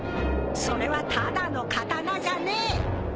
それはただの刀じゃねえ！